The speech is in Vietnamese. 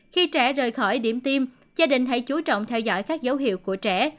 khi trẻ rời khỏi điểm tiêm gia đình hãy chú trọng theo dõi các dấu hiệu của trẻ